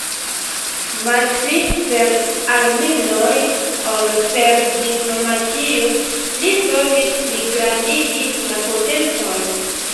Malpli per armiloj ol per diplomatio li provis pligrandigi la potencon.